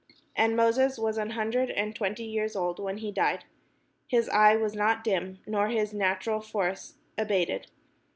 And Moses was an hundred and twenty years old when he died: his eye was not dim, nor his natural force abated.